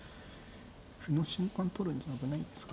歩の瞬間取るんじゃ危ないんですか？